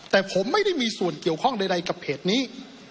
แต่ผมไม่ได้มีส่วนเกี่ยวข้องใดกับเพจนี้